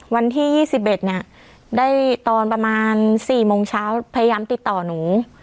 วันที่๒๑เนี่ยได้ตอนประมาณ๔โมงเช้าพยายามติดต่อหนู